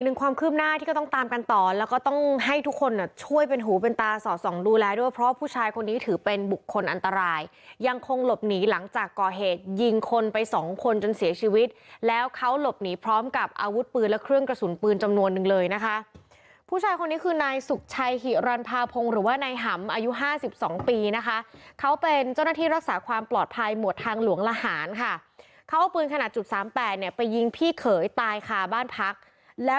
อีกหนึ่งความคืบหน้าที่ก็ต้องตามกันต่อแล้วก็ต้องให้ทุกคนช่วยเป็นหูเป็นตาสอดส่องดูแลด้วยเพราะผู้ชายคนนี้ถือเป็นบุคคลอันตรายยังคงหลบหนีหลังจากก่อเหตุยิงคนไปสองคนจนเสียชีวิตแล้วเขาหลบหนีพร้อมกับอาวุธปืนและเครื่องกระสุนปืนจำนวนหนึ่งเลยนะคะผู้ชายคนนี้คือนายสุขชัยหิรันภาพงศ์หรือ